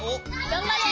がんばれ。